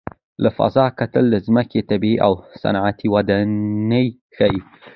له فضا کتل د ځمکې طبیعي او صنعتي ودانۍ ښيي.